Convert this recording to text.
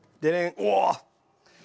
うわ！